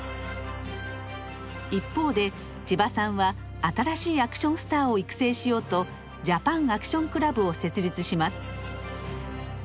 一方で千葉さんは新しいアクションスターを育成しようとジャパンアクションクラブを設立します。